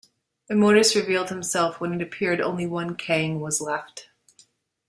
Immortus revealed himself when it appeared only one Kang was left.